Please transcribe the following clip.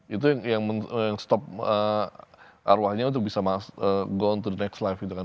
itu yang menutup arwahnya untuk bisa go on to the next life